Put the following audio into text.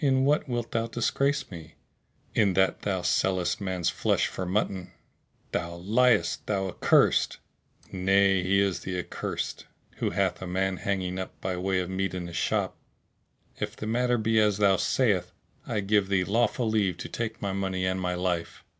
"In what wilt thou disgrace me?" "In that thou sellest man's flesh for mutton!" "Thou liest, thou accursed!" "Nay, he is the accursed who hath a man hanging up by way of meat in his shop. If the matter be as thou sayest, I give thee lawful leave to take my money and my life."